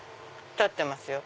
立ってますよ。